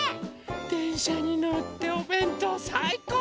でんしゃにのっておべんとうさいこう！